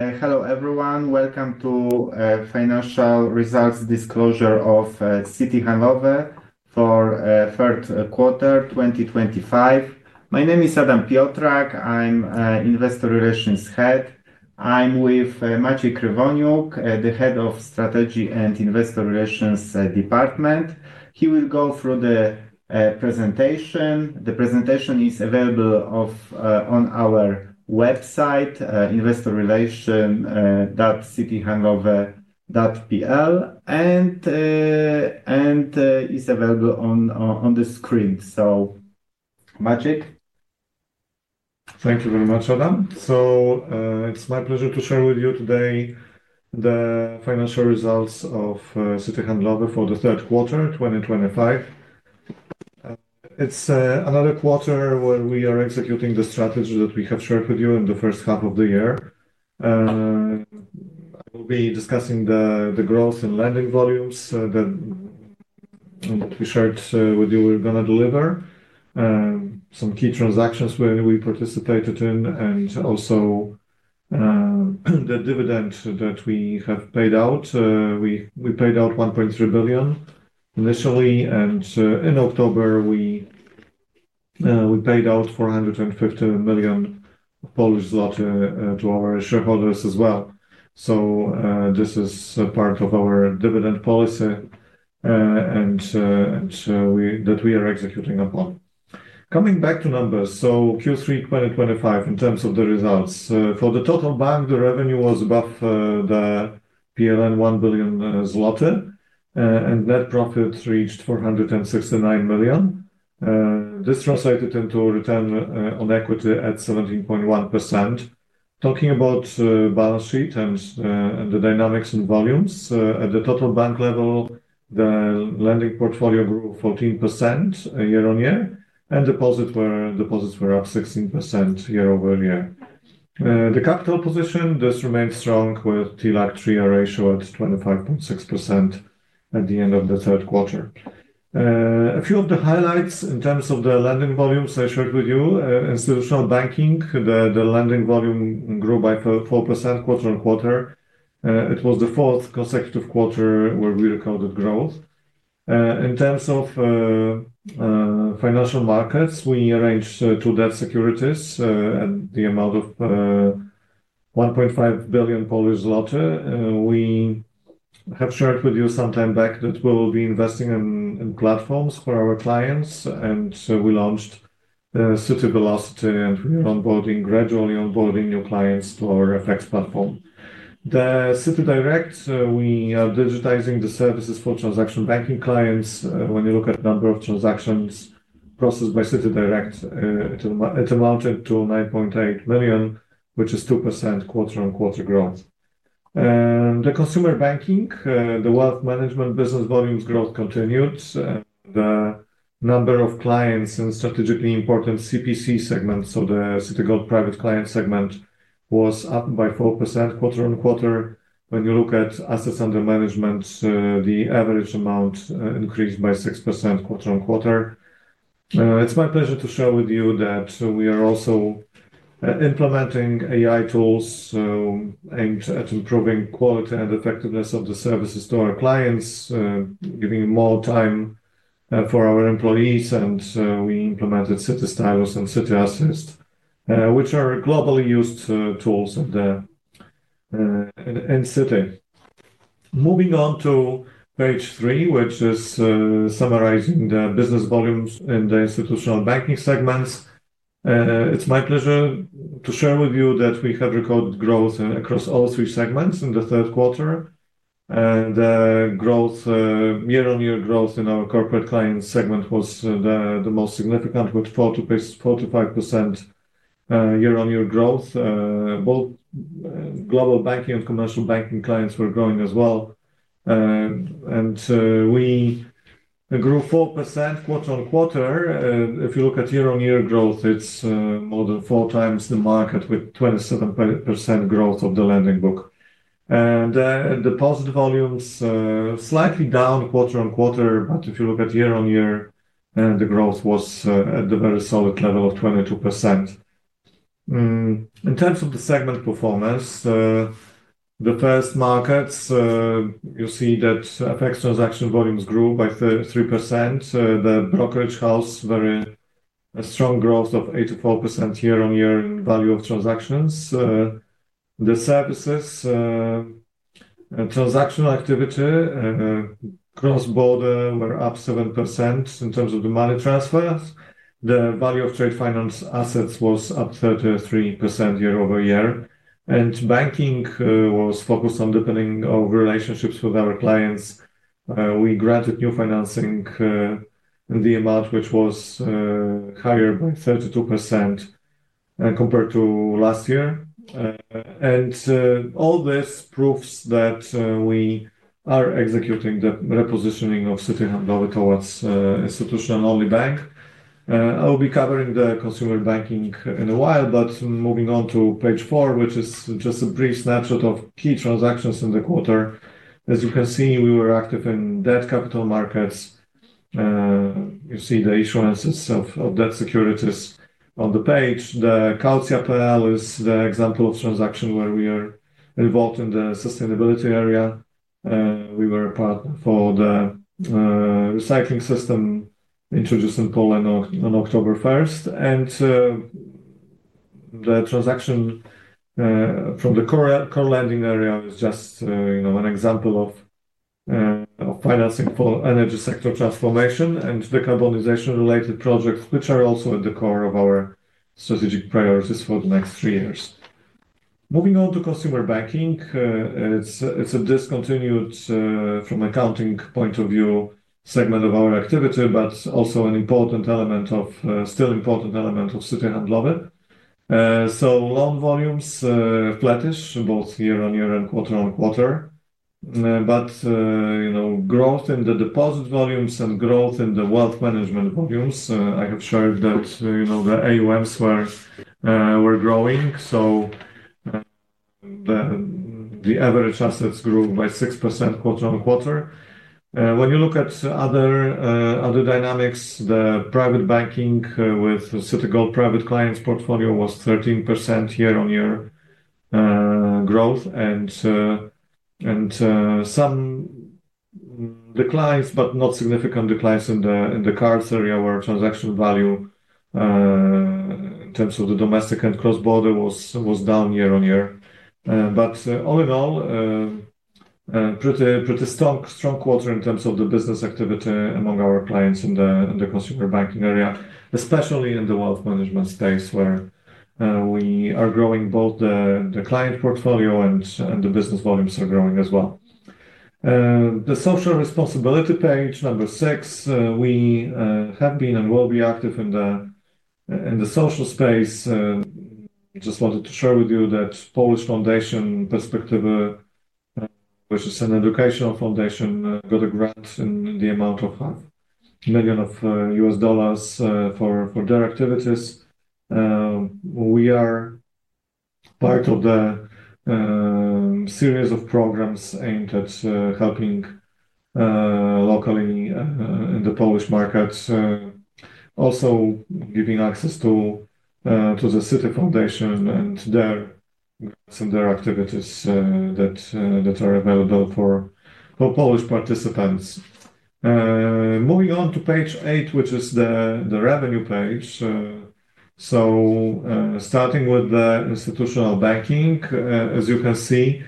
Hello, everyone. Welcome to the financial results disclosure of Citi Handlowy for the third quarter of 2025. My name is Adam Piotrak. I'm the Investor Relations Head. I'm with Maciej Krywoniuk, the Head of Strategy and Investor Relations Department. He will go through the presentation. The presentation is available on our website, investorrelation.citihandlowy.pl, and it is available on the screen. Maciej. Thank you very much, Adam. It's my pleasure to share with you today the financial results of Citi Handlowy for the third quarter of 2025. It's another quarter where we are executing the strategy that we have shared with you in the first half of the year. I will be discussing the growth in lending volumes that we shared with you we're going to deliver, some key transactions where we participated in, and also the dividend that we have paid out. We paid out 1.3 billion initially, and in October, we paid out 450 million Polish zloty to our shareholders as well. This is part of our dividend policy that we are executing upon. Coming back to numbers, Q3 2025, in terms of the results, for the total bank, the revenue was above 1 billion zloty, and net profit reached 469 million. This translated into a return on equity at 17.1%. Talking about the balance sheet and the dynamics and volumes, at the total bank level, the lending portfolio grew 14% year on year, and deposits were up 16% year over year. The capital position, this remained strong with a TLAC 3R ratio at 25.6% at the end of the third quarter. A few of the highlights in terms of the lending volumes I shared with you: institutional banking, the lending volume grew by 4% quarter on quarter. It was the fourth consecutive quarter where we recorded growth. In terms of financial markets, we arranged two debt securities at the amount of 1.5 billion. We have shared with you some time back that we will be investing in platforms for our clients, and we launched Citi Velocity, and we are gradually onboarding new clients to our FX platform. The CitiDirect, we are digitizing the services for transaction banking clients. When you look at the number of transactions processed by CitiDirect, it amounted to 9.8 million, which is 2% quarter on quarter growth. The consumer banking, the wealth management business volumes growth continued, and the number of clients in strategically important CPC segments, so the Citigold Private Client segment, was up by 4% quarter on quarter. When you look at assets under management, the average amount increased by 6% quarter on quarter. It's my pleasure to share with you that we are also implementing AI tools aimed at improving quality and effectiveness of the services to our clients, giving more time for our employees, and we implemented Citi Stylus and Citi Assist, which are globally used tools in the Citi. Moving on to page three, which is summarizing the business volumes in the institutional banking segments, it's my pleasure to share with you that we have recorded growth across all three segments in the third quarter, and year-on-year growth in our corporate clients segment was the most significant, with 45% year-on-year growth. Both global banking and commercial banking clients were growing as well, and we grew 4% quarter on quarter. If you look at year-on-year growth, it's more than four times the market, with 27% growth of the lending book. The deposit volumes slightly down quarter on quarter, but if you look at year-on-year, the growth was at the very solid level of 22%. In terms of the segment performance, the first markets, you see that FX transaction volumes grew by 3%. The brokerage house, very strong growth of 84% year-on-year in value of transactions. The services, transactional activity cross-border were up 7% in terms of the money transfers. The value of trade finance assets was up 33% year over year, and banking was focused on deepening our relationships with our clients. We granted new financing in the amount which was higher by 32% compared to last year. All this proves that we are executing the repositioning of Citi Handlowy towards institutional-only bank. I will be covering the consumer banking in a while, but moving on to page four, which is just a brief snapshot of key transactions in the quarter. As you can see, we were active in debt capital markets. You see the issuances of debt securities on the page. The Kaucja PL is the example of transaction where we are involved in the sustainability area. We were a partner for the recycling system introduced in Poland on October 1. The transaction from the core lending area is just an example of financing for energy sector transformation and decarbonization-related projects, which are also at the core of our strategic priorities for the next three years. Moving on to consumer banking, it is a discontinued from an accounting point of view segment of our activity, but also an important element of still important element of Citi Handlowy. Loan volumes flattish both year-on-year and quarter on quarter, but growth in the deposit volumes and growth in the wealth management volumes. I have shared that the AUMs were growing, so the average assets grew by 6% quarter on quarter. When you look at other dynamics, the private banking with Citi Gold Private Clients portfolio was 13% year-on-year growth, and some declines, but not significant declines in the cards area where transaction value in terms of the domestic and cross-border was down year-on-year. All in all, pretty strong quarter in terms of the business activity among our clients in the consumer banking area, especially in the wealth management space where we are growing both the client portfolio and the business volumes are growing as well. The social responsibility page, number six, we have been and will be active in the social space. I just wanted to share with you that Perspektywy Foundation, which is an educational foundation, got a grant in the amount of $500,000 for their activities. We are part of the series of programs aimed at helping locally in the Polish markets, also giving access to the Citi Foundation and their activities that are available for Polish participants. Moving on to page eight, which is the revenue page. Starting with the institutional banking, as you can see,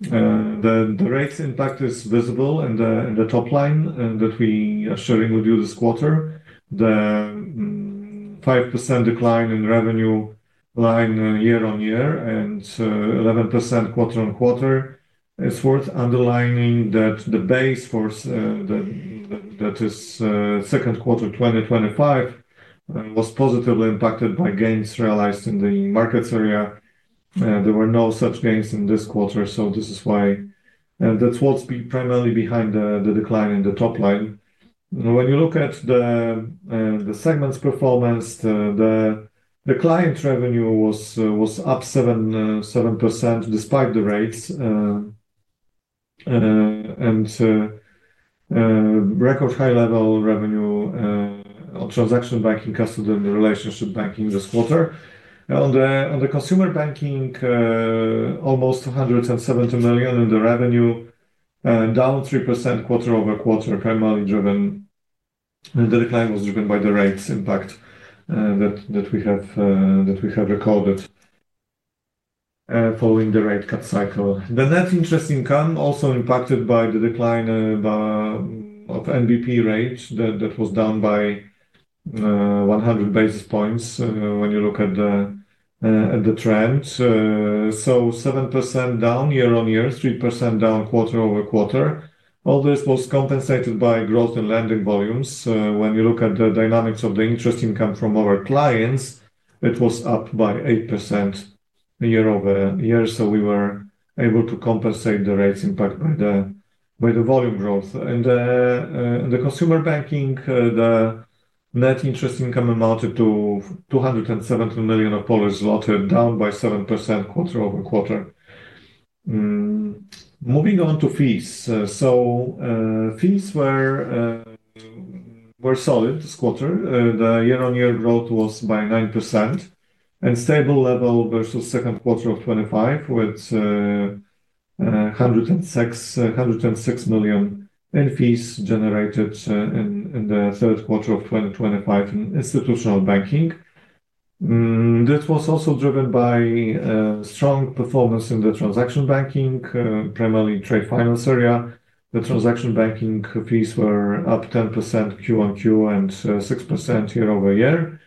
the rates impact is visible in the top line that we are sharing with you this quarter, the 5% decline in revenue line year-on-year and 11% quarter on quarter. It's worth underlining that the base for that is second quarter 2025 was positively impacted by gains realized in the markets area. There were no such gains in this quarter, so this is why that's what's primarily behind the decline in the top line. When you look at the segments performance, the client revenue was up 7% despite the rates and record high-level revenue of transaction banking customer relationship banking this quarter. On the consumer banking, almost 170 million in the revenue, down 3% quarter over quarter, primarily driven the decline was driven by the rates impact that we have recorded following the rate cut cycle. The net interest income also impacted by the decline of NBP rate that was down by 100 basis points when you look at the trend. 7% down year-on-year, 3% down quarter over quarter. All this was compensated by growth in lending volumes. When you look at the dynamics of the interest income from our clients, it was up by 8% year-over-year, so we were able to compensate the rates impact by the volume growth. In the consumer banking, the net interest income amounted to 270 million, down by 7% quarter over quarter. Moving on to fees. Fees were solid this quarter. The year-on-year growth was by 9% and stable level versus second quarter of 2025 with 106 million in fees generated in the third quarter of 2025 in institutional banking. This was also driven by strong performance in the transaction banking, primarily trade finance area. The transaction banking fees were up 10% Q1Q and 6% year-over-year.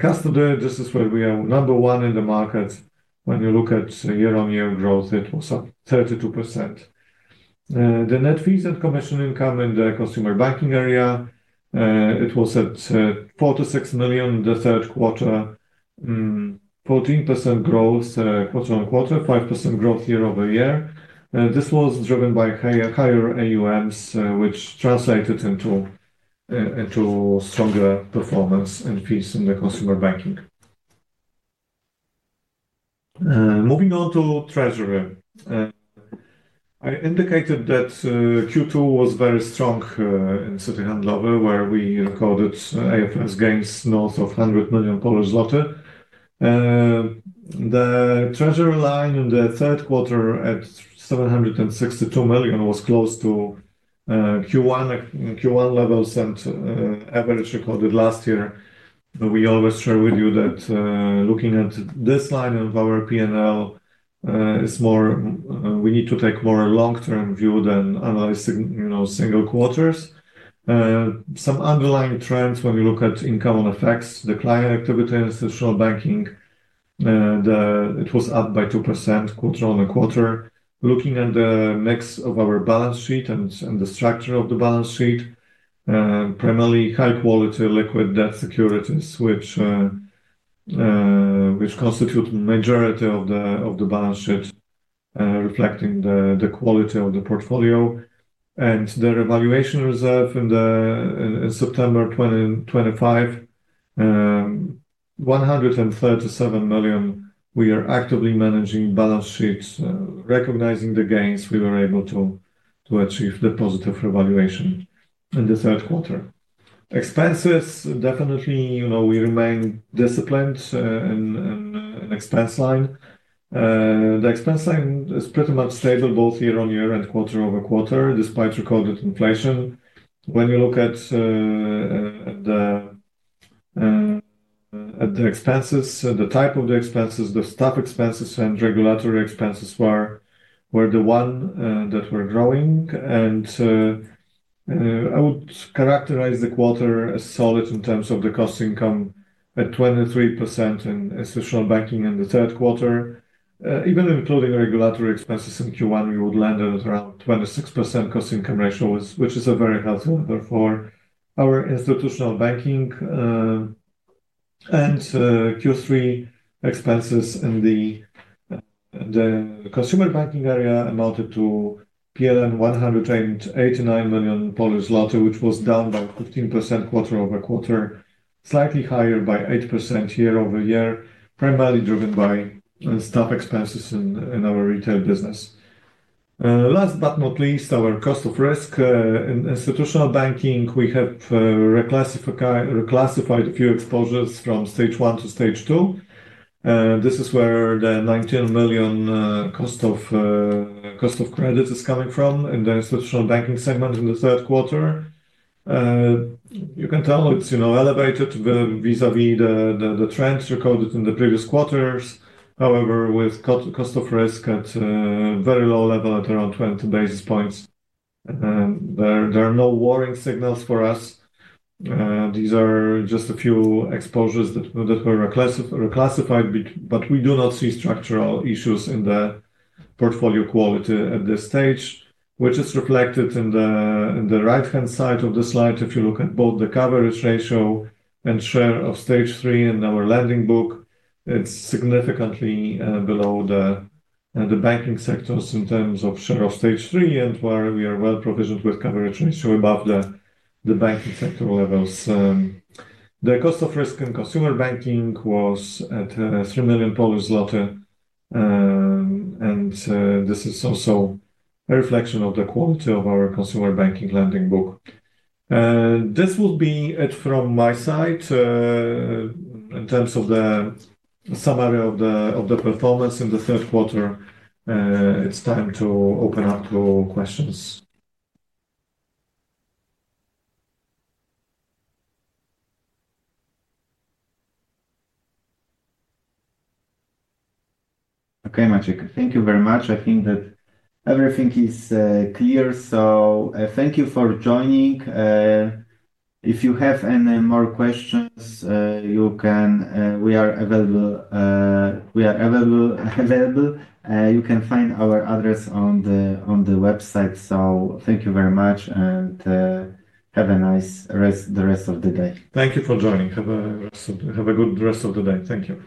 Custody, this is where we are number one in the market. When you look at year-on-year growth, it was up 32%. The net fees and commission income in the consumer banking area, it was at 46 million in the third quarter, 14% growth quarter on quarter, 5% growth year-over-year. This was driven by higher AUMs, which translated into stronger performance and fees in the consumer banking. Moving on to treasury, I indicated that Q2 was very strong in Citi Handlowy, where we recorded AFS gains north of PLN 100 million. The treasury line in the third quarter at 762 million was close to Q1 levels and average recorded last year. We always share with you that looking at this line of our P&L, we need to take more long-term view than analyze single quarters. Some underlying trends when you look at income on FX services, the client activity in institutional banking, it was up by 2% quarter on a quarter. Looking at the mix of our balance sheet and the structure of the balance sheet, primarily high-quality liquid debt securities, which constitute the majority of the balance sheet, reflecting the quality of the portfolio. And the revaluation reserve in September 2025, 137 million, we are actively managing balance sheets, recognizing the gains we were able to achieve the positive revaluation in the third quarter. Expenses, definitely, we remain disciplined in the expense line. The expense line is pretty much stable both year-on-year and quarter over quarter, despite recorded inflation. When you look at the expenses, the type of the expenses, the staff expenses and regulatory expenses were the one that were growing. I would characterize the quarter as solid in terms of the cost income at 23% in institutional banking in the third quarter. Even including regulatory expenses in Q1, we would land at around 26% cost income ratio, which is a very healthy number for our institutional banking. Q3 expenses in the consumer banking area amounted to PLN 189 million, which was down by 15% quarter over quarter, slightly higher by 8% year-over-year, primarily driven by staff expenses in our retail business. Last but not least, our cost of risk in institutional banking, we have reclassified a few exposures from stage one to stage two. This is where the 19 million cost of credit is coming from in the institutional banking segment in the third quarter. You can tell it is elevated vis-à-vis the trends recorded in the previous quarters. However, with cost of risk at a very low level at around 20 basis points, there are no warning signals for us. These are just a few exposures that were reclassified, but we do not see structural issues in the portfolio quality at this stage, which is reflected in the right-hand side of the slide. If you look at both the coverage ratio and share of stage three in our lending book, it is significantly below the banking sector's in terms of share of stage three and where we are well provisioned with coverage ratio above the banking sector levels. The cost of risk in consumer banking was at 3 million Polish zloty, and this is also a reflection of the quality of our consumer banking lending book. This will be it from my side in terms of the summary of the performance in the third quarter. It's time to open up to questions. Okay, Maciej, thank you very much. I think that everything is clear, so thank you for joining. If you have any more questions, we are available. You can find our address on the website, so thank you very much and have a nice rest of the day. Thank you for joining. Have a good rest of the day. Thank you.